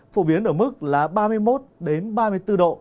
phổ biến ở mức là ba mươi một ba mươi bốn độ